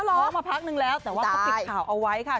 ร้องมาพักนึงแล้วแต่ว่าเขาปิดข่าวเอาไว้ค่ะ